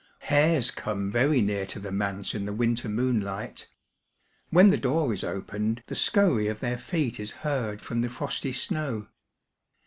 Hares come very near to the manse in the winter moonlij^t. When the door is opened the scurry of their feet is heard from the frosty snow.